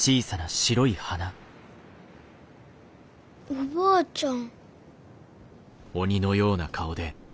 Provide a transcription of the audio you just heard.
おばあちゃん。